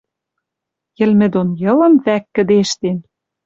Йӹлмӹ дон Йылым вӓк кӹдежтен